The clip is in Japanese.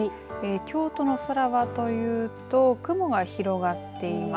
京都の空はというと雲が広がっています。